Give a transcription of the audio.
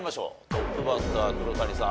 トップバッター黒谷さん